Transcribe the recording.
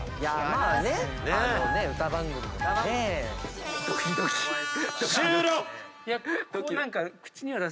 ・まあね歌番組とか。終了！